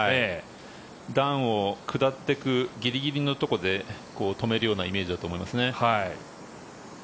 段を下っていくギリギリのところで止めるようなイメージだと思いますね。